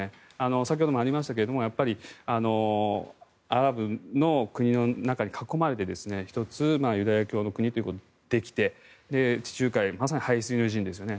先ほどもありましたがアラブの国の中に囲まれて１つ、ユダヤ教の国ということでできて地中海まさに背水の陣ですよね。